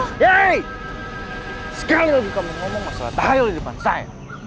sekali lagi kamu ngomong masalah tahil di depan saya